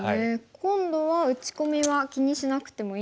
今度は打ち込みは気にしなくてもいいんですか？